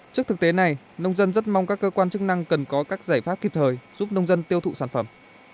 trước thực tế này nông dân rất mong các cơ quan chức năng cần có các giải pháp kịp thời giúp nông dân tiêu thụ sản phẩm